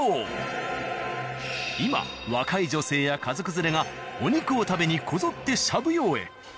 今若い女性や家族連れがお肉を食べにこぞって「しゃぶ葉」へ。